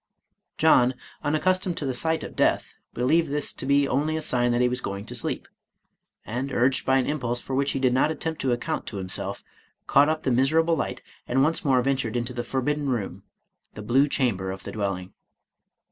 John, unaccustomed to the sight of death, believed this to be only a sign that he was going to sleep ; and, urged by an impulse for which he did not attempt to account to himself, caught up the miserable light, and once more ventured into the forbidden room, — the blue chamber of the dwelling.